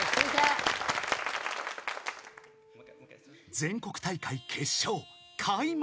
［全国大会決勝開幕］